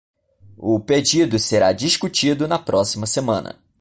O pedido será discutido na próxima semana.